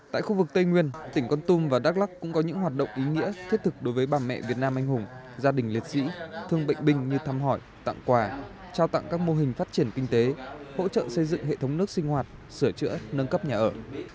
tại khu vực tây nguyên tỉnh con tum và đắk lắc cũng có những hoạt động ý nghĩa thiết thực đối với bà mẹ việt nam anh hùng gia đình liệt sĩ thương bệnh binh như thăm hỏi tặng quà trao tặng các mô hình phát triển kinh tế hỗ trợ xây dựng hệ thống nước sinh hoạt sửa chữa nâng cấp nhà ở